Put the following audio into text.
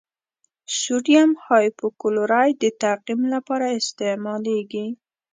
سوډیم هایپوکلورایټ د تعقیم لپاره استعمالیږي.